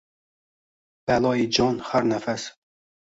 Baloyi jon har nafas.